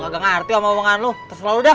gue gak ngerti sama omongan lu terserah lu dah